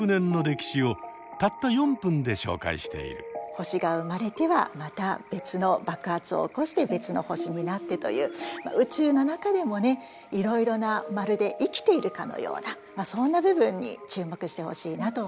星が生まれてはまた別の爆発を起こして別の星になってという宇宙の中でもねいろいろなまるで生きているかのようなそんな部分に注目してほしいなと思います。